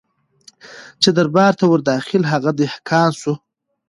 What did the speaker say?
چي دربار ته ور داخل هغه دهقان سو